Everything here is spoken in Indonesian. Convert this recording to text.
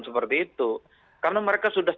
seperti itu karena mereka sudah